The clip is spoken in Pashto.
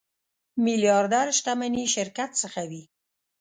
میلیاردر شتمني شرکت څخه وي.